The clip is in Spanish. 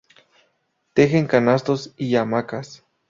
Tejen canastos y hamacas.